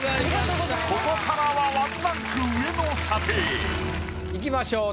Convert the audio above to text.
ここからはいきましょう。